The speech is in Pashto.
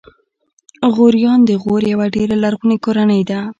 غوریان د غور یوه ډېره لرغونې کورنۍ ده.